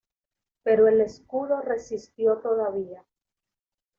Pero el escudo resistió todavía.